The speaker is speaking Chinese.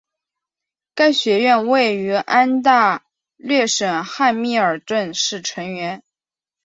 该学院位于安大略省汉密尔顿市成员。